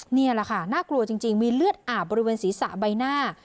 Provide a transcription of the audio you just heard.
นี่แหละค่ะน่ากลัวจริงมีเลือดอาบบริเวณศีรษะใบหน้า